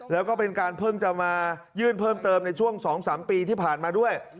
แล้วก็เป็นการเพิ่งจะมายื่นเพิ่มเติมในช่วง๒๓ปีที่ผ่านมาด้วย